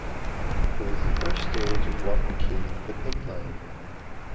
It was the first stage of what became the Pink Line.